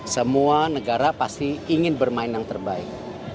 semua negara pasti ingin bermain yang terbaik